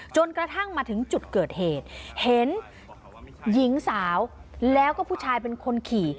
กระทั่งมาถึงจุดเกิดเหตุเห็นหญิงสาวแล้วก็ผู้ชายเป็นคนขี่